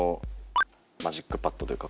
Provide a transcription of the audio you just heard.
マジックパッドというか